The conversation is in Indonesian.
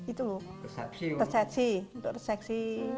itu lho acara nantu untuk resepsi